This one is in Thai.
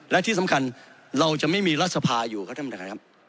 และที่สำคัญเราจะไม่มีรัฐสภาอยู่ครับท่านประธานครับ